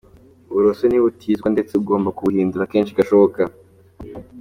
Uburoso ntibutizwa ndetse ugomba kubuhindura kenshi gashoboka.